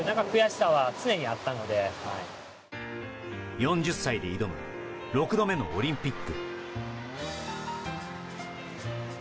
４０歳で挑む６度目のオリンピック。